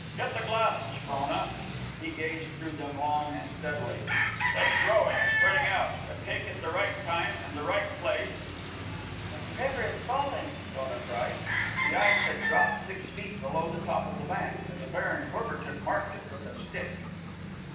"Get the glasses, Frona." He gazed through them long and steadily. "It's growing, spreading out. A cake at the right time and the right place ..." "But the river is falling!" Frona cried. The ice had dropped six feet below the top of the bank, and the Baron Courbertin marked it with a stick.